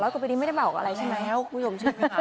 ๘๐๐กว่าปีนี้ไม่ได้บอกอะไรใช่ไหม